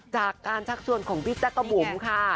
จากการชักชวนของพี่จักรบุ๋มค่ะ